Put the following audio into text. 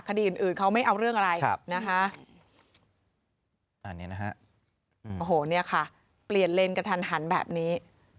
คดีอื่นเขาไม่เอาเรื่องอะไรนะฮะโอ้โหนี่ค่ะเปลี่ยนเลนส์กันทันแบบนี้